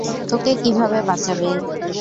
তোকে কীভাবে বাঁচাবে?